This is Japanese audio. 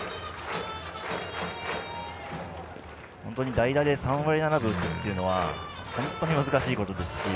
代打で３割７分打つというのは本当に難しいことですし。